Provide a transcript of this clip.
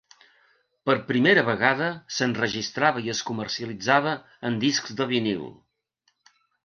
Per primera vegada s'enregistrava i es comercialitzava en discs de vinil.